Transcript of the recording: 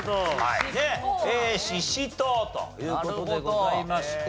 ししとうという事でございまして。